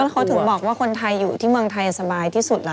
เขาถึงบอกว่าคนไทยอยู่ที่เมืองไทยสบายที่สุดล่ะ